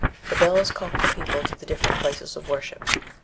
The bells called the people to the different places of worship.